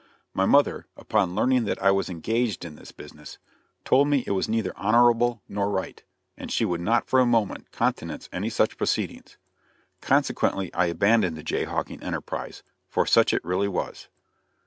My mother, upon learning that I was engaged in this business, told me it was neither honorable nor right, and she would not for a moment countenance any such proceedings. Consequently I abandoned the jay hawking enterprise, for such it really was.